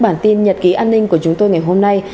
bản tin nhật ký an ninh của chúng tôi ngày hôm nay